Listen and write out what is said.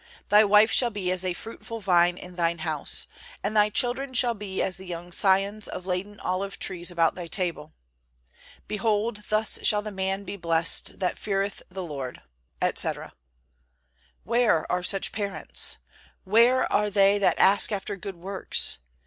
Thy wife shall be as a fruitful vine in thine house, and thy children shall be as the young scions of laden olive trees about thy table. Behold, thus shall the man be blessed, that feareth the Lord," etc. Where are such parents? Where are they that ask after good works?